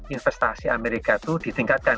investasi amerika itu ditingkatkan